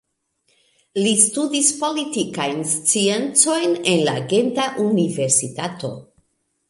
Li studis politikajn sciencojn en la Genta Universitato.